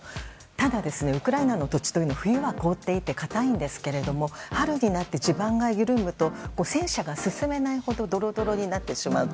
ただウクライナの土地というのは冬は凍っていて硬いんですけども、春になって地盤が緩むと戦車が進めないほどどろどろになってしまう。